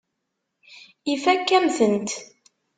Ifakk-am-tent.